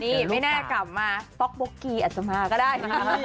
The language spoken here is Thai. นี่ไม่น่าจะกลับมาต๊อกโบ๊กกี้อาจจะมาก็ได้